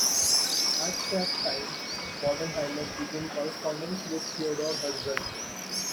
At that time Bodenheimer began correspondence with Theodor Herzl.